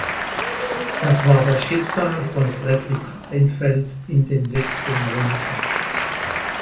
Das war das Schicksal von Fredrik Reinfeldt in den letzten Monaten.